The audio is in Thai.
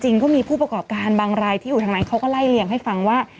ก็มีผู้ประกอบการบางรายที่อยู่ทางนั้นเขาก็ไล่เลี่ยงให้ฟังว่า